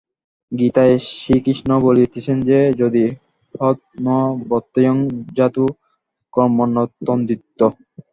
গীতায় শ্রীকৃষ্ণ বলিতেছেন যদি হ্যহং ন বর্তেয়ং জাতু কর্মণ্যতন্দ্রিতঃ।